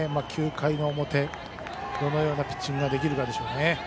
９回の表、どのようなピッチングができるかでしょうね。